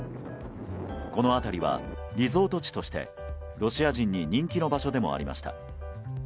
この辺りは、リゾート地としてロシア人に人気の場所でもありました。